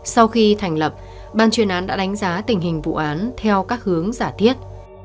sau khi thành lập ban chuyên án đã đánh giá tình hình vụ án theo các hướng giả thiết